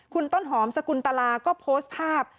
คุณต้นหอมสกุลตลาก็โพสต์ภาพ